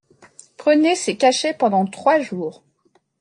Prenez ces cachets pendant trois jours.